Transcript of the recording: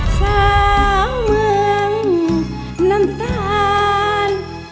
สาวเมืองน้ำตาล